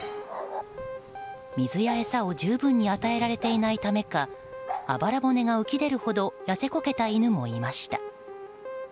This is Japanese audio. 水や餌を十分に与えられていないためかあばら骨が浮き出るほど痩せこけた犬もいました。